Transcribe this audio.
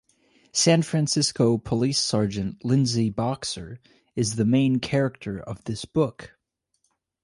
San Francisco Police Sergeant Lindsay Boxer is the main character of this book.